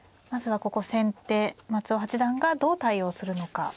まずはここ先手松尾八段がどう対応するのか。